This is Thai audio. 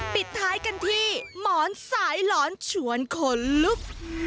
ปิดท้ายกันที่หมอนสายหลอนชวนขนลุก